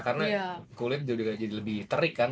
karena kulit juga jadi lebih terik kan